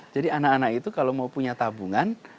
jadi anak anak itu kalau mau punya tabungan